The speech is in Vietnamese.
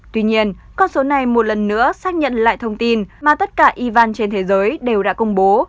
tuy nhiên con số này một lần nữa xác nhận lại thông tin mà tất cả ivan trên thế giới đều đã công bố